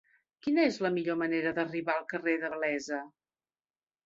Quina és la millor manera d'arribar al carrer de Blesa?